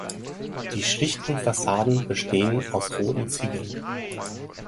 Die schlichten Fassaden bestehen aus roten Ziegeln.